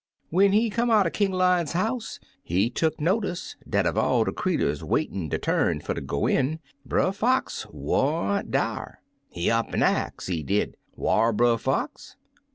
"When he come outen King Lion's house, he tuck notice dat uv all de creeturs waitin' der turn fer ter go in. Brer Fox wa'n't dar. He up an' ax, he did, *Whar Brer Fox?'